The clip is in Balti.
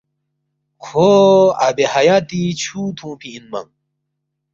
کھو آبِ حیاتی چھُو تُھونگفی اِنمنگ